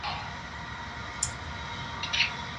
هغه وويل چي ښه اخلاق اړين دي.